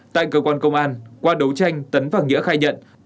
tại cơ quan công an qua đấu tranh tấn và nghĩa khai nhận